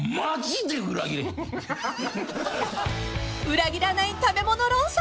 ［裏切らない食べ物論争］